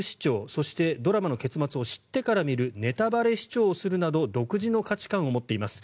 そしてドラマの結末を知ってから見るネタバレ視聴するなど独自の価値観を持っています。